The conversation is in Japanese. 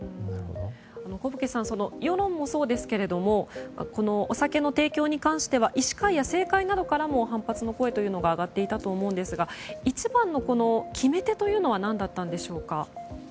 古武家さん世論もそうですがお酒の提供に関しては医師会や政界などからも反発の声が上がっていたと思いますが一番の決め手というのは何だったのでしょうか。